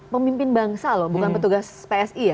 pemimpin bangsa loh bukan petugas psi ya